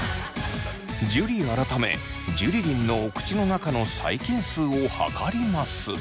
樹改めジュリリンのお口の中の細菌数を測ります。